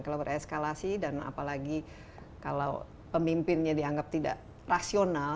kalau bereskalasi dan apalagi kalau pemimpinnya dianggap tidak rasional